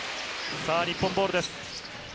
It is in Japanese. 日本ボールです。